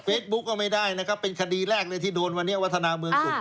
ก็ไม่ได้นะครับเป็นคดีแรกเลยที่โดนวันนี้วัฒนาเมืองสุข